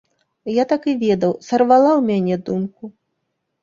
Я так і ведаў, сарвала ў мяне думку.